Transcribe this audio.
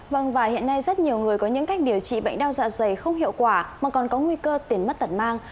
vâng và hiện nay rất nhiều người có những cách điều trị bệnh đau dạ dày không hiệu quả mà còn có nguy cơ tiền mất tật mang